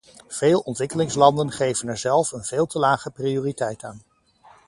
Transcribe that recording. Veel ontwikkelingslanden geven er zelf een veel te lage prioriteit aan.